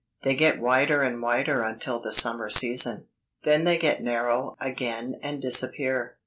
They get wider and wider until the summer season, then they get narrow again and disappear.